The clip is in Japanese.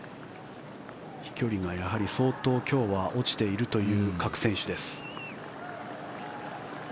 飛距離が相当、今日は落ちているという各選手です。